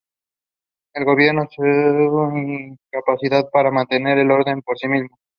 El Gobierno, su incapacidad para mantener el orden por sí mismo.